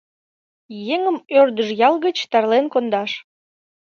Еҥым ӧрдыж ял гыч тарлен кондаш.